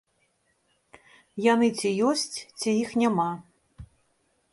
Яны ці ёсць, ці іх няма.